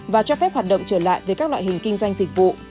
và cho phép hoạt động trở lại với các loại hình kinh doanh dịch vụ